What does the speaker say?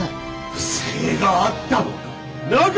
不正があったのか！？